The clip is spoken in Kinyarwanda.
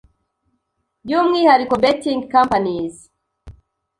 By’umwihariko ‘betting companies’